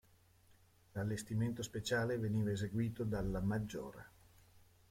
L'allestimento speciale veniva eseguito dalla Maggiora.